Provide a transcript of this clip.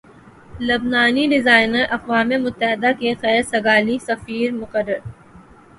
لبنانی designer اقوام متحدہ کے خیر سگالی سفیر مقرر